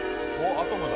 『アトム』だ。